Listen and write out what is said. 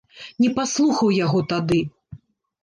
Не паслухаў яго тады.